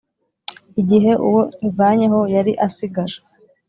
Igihe Uwo Ivanyeho Yari Asigaje